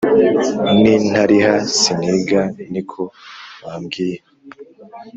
Nintariha siniga niko bambwiye